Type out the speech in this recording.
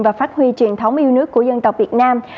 và phát huy truyền thống yêu nước của dân tộc việt nam